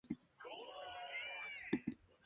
ポンディシェリ連邦直轄領の首府はポンディシェリである